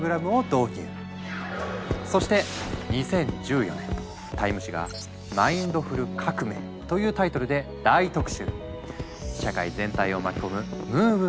そして２０１４年「ＴＩＭＥ」誌が「マインドフル革命」というタイトルで大特集！